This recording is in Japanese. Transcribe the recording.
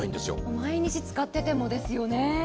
毎日使っててもですよね。